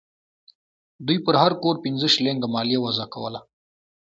دوی پر هر کور پنځه شلینګه مالیه وضع کوله.